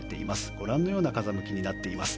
ご覧の風向きになっています。